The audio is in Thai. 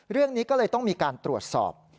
เรื่องนี้ก็เลยต้องมีการตรวจสอบ